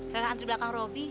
rela antri belakang robi